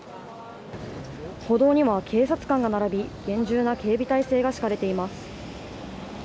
歩道には警察官が並び厳重な警備態勢が敷かれています。